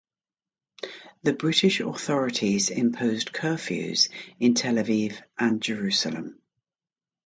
The British authorities imposed curfews in Tel Aviv and Jerusalem.